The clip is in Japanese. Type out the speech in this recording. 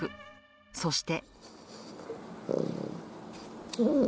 そして。